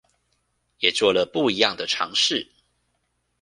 也做了不一樣的嘗試